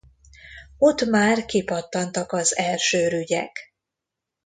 Ott már kipattantak az első rügyek.